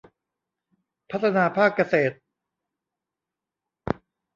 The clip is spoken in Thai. พัฒนาภาคเกษตร